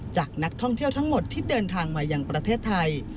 จากนักท่องเที่ยวทั้งหมดที่เดินทางมายังประเทศไทย